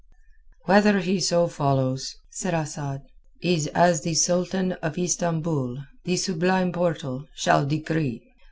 "Whether he so follows," said Asad, "is as the Sultan of Istambul, the Sublime Portal, shall decree.